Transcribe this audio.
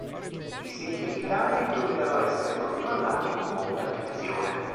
I segni vitali dovevano essere controllati con molta attenzione.